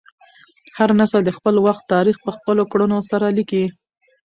هر نسل د خپل وخت تاریخ په خپلو کړنو سره لیکي.